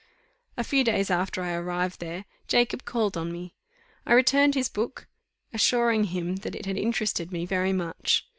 A few days after I arrived there, Jacob called on me: I returned his book, assuring him that it had interested me very much.